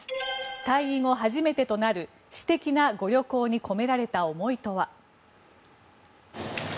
退位後初めてとなる私的なご旅行に込められた思いとは。